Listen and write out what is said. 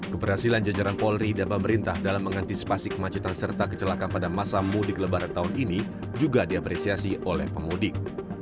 keberhasilan jajaran polri dan pemerintah dalam mengantisipasi kemacetan serta kecelakaan pada masa mudik lebaran tahun ini juga diapresiasi oleh pemudik